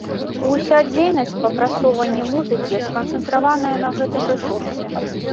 Уся дзейнасць па прасоўванні музыкі сканцэнтраваная на гэтым рэсурсе.